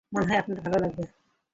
মনে হয় আপনার ভালো লাগবে।